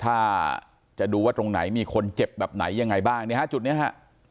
ถ้าจะดูว่าตรงไหนมีคนเจ็บแบบไหนยังไงบ้างเนี่ยฮะจุดนี้ฮะ